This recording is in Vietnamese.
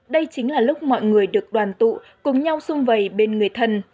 đây chính là lúc mọi người được đoàn tụ cùng nhau xung vầy bên người thân